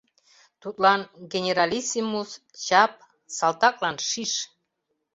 Тудлан — генералиссимус, чап, салтаклан — шиш.